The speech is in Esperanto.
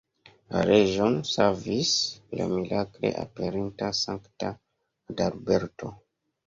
La reĝon savis la mirakle aperinta sankta Adalberto.